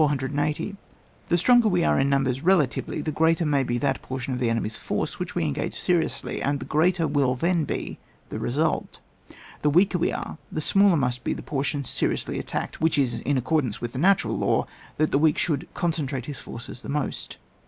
The stronger we are in numbers relatively the greater may be that por tion of the enemy's force which we en gage seriously, and the greater will then be the result. The weaker we are, the smaller must be the portion seriously at tacked, which is in accordance with the natural law, that the weak should concen* irate his forces the most, 481.